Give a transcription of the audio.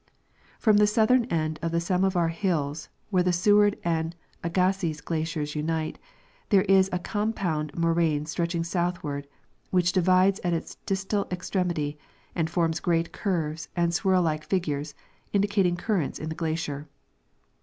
From the southern end of the Samovar hills, where the Seward and Agassiz glaciers unite, tliere is a ,compound moraine stretch ing southward, which divides at its distal extremity and forms great curves and swirl like figures indicating currents in the glacier.